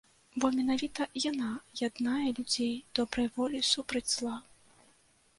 Бо менавіта яна яднае людзей добрай волі супраць зла.